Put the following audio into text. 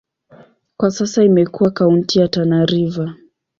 Kwa sasa imekuwa kaunti ya Tana River.